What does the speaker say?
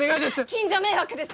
近所迷惑です